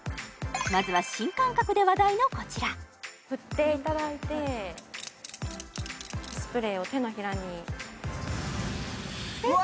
まずは新感覚で話題のこちら振っていただいてスプレーを手のひらにわ！